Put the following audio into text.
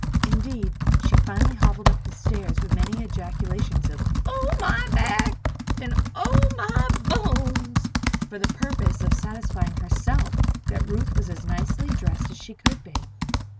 Indeed, she finally hobbled up stairs, with many ejaculations of "Oh, my back and oh, my bones!" for the purpose of satisfying herself that Ruth was as nicely dressed as she could be.